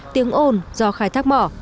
tiếng ồn do khai thác mỏ